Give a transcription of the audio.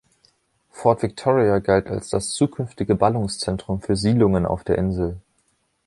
Fort Victoria galt als das zukünftige Ballungszentrum für Siedlungen auf der Insel.